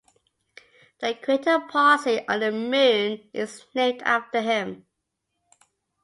The crater Pawsey on the Moon is named after him.